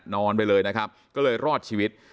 นอนไปเลยนะครับก็เลยรอดชีวิต